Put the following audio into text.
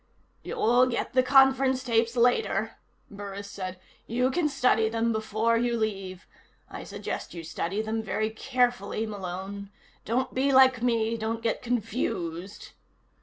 "You'll get the conference tapes later," Burris said. "You can study them before you leave. I suggest you study them very carefully, Malone. Don't be like me. Don't get confused."